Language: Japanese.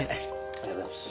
ありがとうございます。